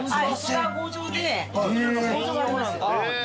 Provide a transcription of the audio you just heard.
工場で工場があります。